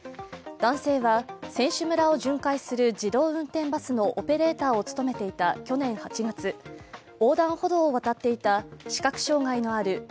男性は選手村を巡回する自動運転バスのオペレーターを務めていた去年８月横断歩道を渡っていた視覚障がいのある